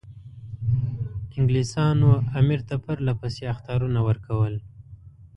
انګلیسانو امیر ته پرله پسې اخطارونه ورکول.